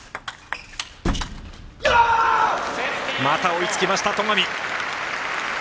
また追いつきました、戸上。